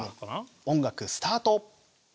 音楽スタート！